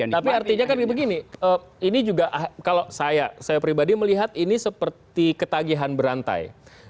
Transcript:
tapi artinya kan begini ini juga kalau saya pribadi melihat ini seperti ketagihan berantai